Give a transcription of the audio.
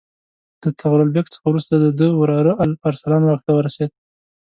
له طغرل بیګ څخه وروسته د ده وراره الپ ارسلان واک ته ورسېد.